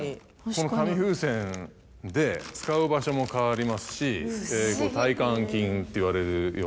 この紙風船で使う場所も変わりますし体幹筋っていわれるようなね